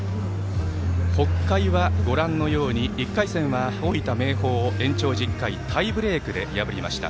北海は、ご覧のように１回戦は大分、明豊を延長１０回タイブレークで破りました。